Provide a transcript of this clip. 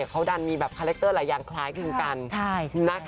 ที่เขาก็มีการเร็กเตอร์อย่างคล้ายกัน